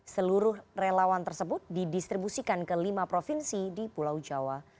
seluruh relawan tersebut didistribusikan ke lima provinsi di pulau jawa